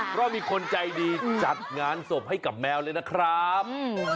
เพราะมีคนใจดีจัดงานศพให้กับแมวเลยนะครับ